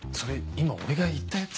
今俺が言ったやつ。